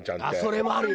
それもあるよ